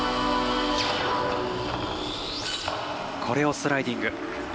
コレオスライディング。